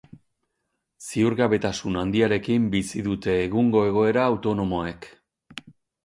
Ziurgabetasun handiarekin bizi dute egungo egoera autonomoek.